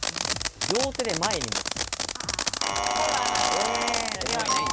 両手で前に持つ。